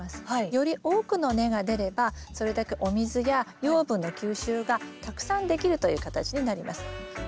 より多くの根が出ればそれだけお水や養分の吸収がたくさんできるという形になります。